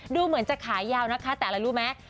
ดูเหมือนจะขายาวนะคะแต่อะไรรู้ไหม